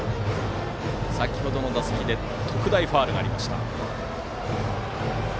先程の打席で特大ファウルがありました。